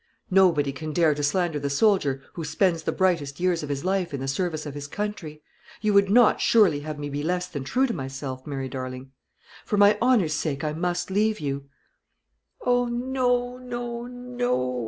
Nobody can dare to slander the soldier who spends the brightest years of his life in the service of his country. You would not surely have me be less than true to myself, Mary darling? For my honour's sake, I must leave you." "O no, no, no!"